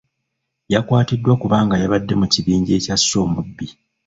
Yakwatiddwa kubanga yabadde mu kibinja ekyasse omubbi.